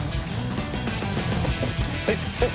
えっえっ